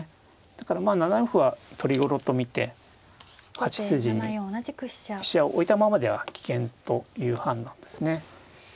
だからまあ７四歩は取り頃と見て８筋に飛車を置いたままでは危険という判断ですね。